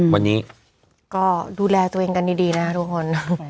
วันนี้ก็ดูแลตัวเองกันดีนะทุกคน